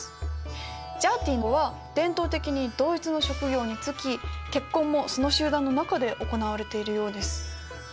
ジャーティは伝統的に同一の職業に就き結婚もその集団の中で行われているようです。